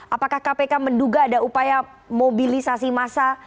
apakah kpk menduga ada upaya mobilisasi massa